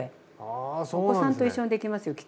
お子さんと一緒にできますよきっと。